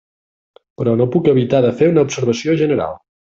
Però no puc evitar de fer una observació general.